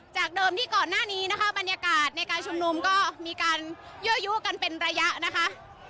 จากเดิมที่ก่อนหน้านี้นะคะบรรยากาศในการชุมนุมก็มีการยั่วยุกันเป็นระยะนะคะ